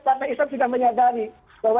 partai islam sudah menyadari bahwa